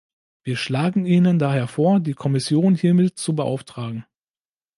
Wir schlagen Ihnen daher vor, die Kommission hiermit zu beauftragen.